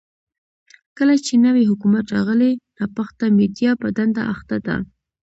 کله چې نوی حکومت راغلی، ناپخته میډيا په دنده اخته ده.